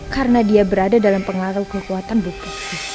karena dia berada dalam pengaruh kekuatan buku